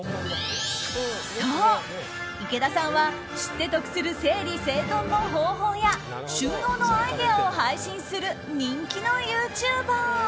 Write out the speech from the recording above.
そう、池田さんは知って得する整理整頓の方法や収納のアイデアを配信する人気のユーチューバー。